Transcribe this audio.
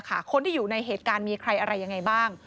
คนที่อยู่ในเหตุการณ์มีใครอะไรยังไงบ้าง